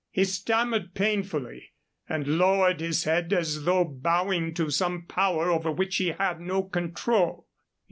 He stammered painfully, and lowered his head as though bowing to some power over which he had no control.